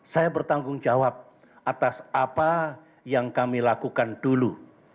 saya bertanggung jawab atas apa yang kami lakukan dulu